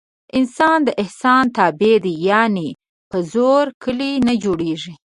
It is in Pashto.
انسان د احسان تابع دی. یعنې په زور کلي نه جوړېږي.